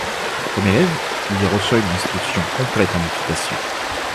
Comme élève, il y reçoit une instruction complète en équitation.